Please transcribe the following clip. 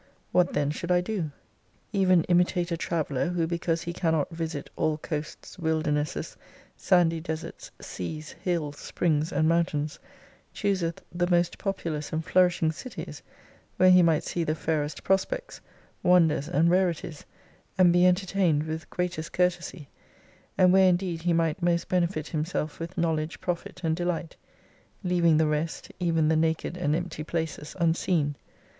What then should I do ? Even imitate a traveller, who because he cannot visit all coasts, wildernesses, sandy deserts, seas, hills, springs and mountains, chooseth the most populous and flourishing cities, where he might see the fairest prospects, 199 wonclers, and rarities, and be entertained with greatest courtesy : and where indeed he might most benefit himself with knowledge, profit and delight : leaving the rest, even the naked and empty iplaces unseen.